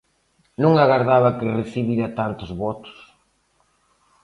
Non agardaba que recibira tantos votos.